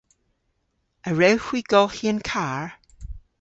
A wrewgh hwi golghi an karr?